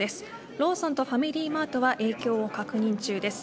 ローソンとファミリーマートは影響を確認中です。